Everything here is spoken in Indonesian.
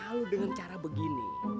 kalo dengan cara begini